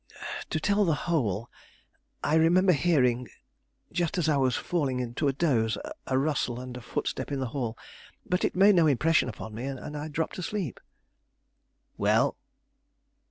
To tell the whole: I remember hearing, just as I was falling into a doze, a rustle and a footstep in the hall; but it made no impression upon me, and I dropped asleep." "Well?"